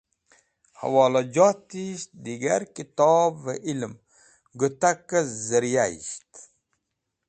hẽwolajotisht digar kitobvẽ ilem gũtakẽ zẽryayisht.